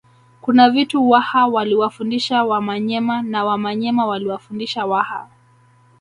Kuna vitu Waha waliwafundisha Wamanyema na Wamanyema waliwafundisha Waha